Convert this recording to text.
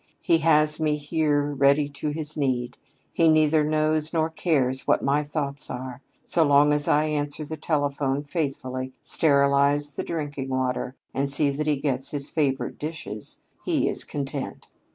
He has me here ready to his need. He neither knows nor cares what my thoughts are. So long as I answer the telephone faithfully, sterilize the drinking water, and see that he gets his favorite dishes, he is content.